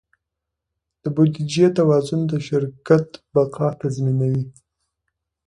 د بودیجې توازن د شرکت بقا تضمینوي.